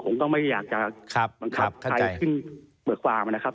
ผมก็ไม่อยากจะครับครับขัดใจขึ้นเหมือนความนะครับ